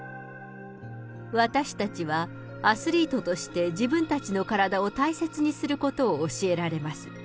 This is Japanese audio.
私たちはアスリートとして自分たちの体を大切にすることを教えられます。